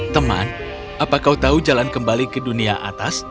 teman apa kau tahu jalan kembali ke dunia atas